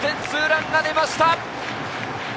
ツーランが出ました。